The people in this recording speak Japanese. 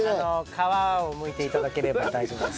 皮をむいて頂ければ大丈夫です。